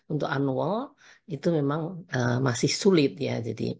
untuk annual itu memang masih sulit ya